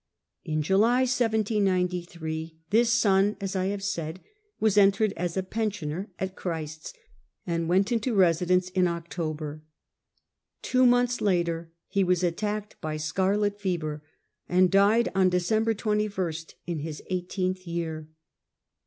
In July 1793 this son, as I have said, was entered as a pensioner at Christ's, and went into' residence in October. Two months later ho was attacked by scarlet fever, and died on December 21st in his eighteenth year.